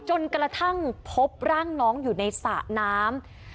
จนกระทั่งพบร่างน้องอยู่ในสระน้ำ